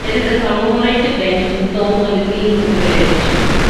There is a commemorative bench and stone on the greens in the village.